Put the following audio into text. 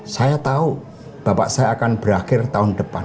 saya tahu bapak saya akan berakhir tahun depan